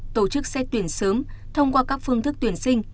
tổ chức xét tuyển sớm thông qua các phương thức tuyển sinh